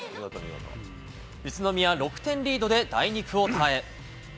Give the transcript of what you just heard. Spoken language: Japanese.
宇都宮、６点リードで第２クオーターへ。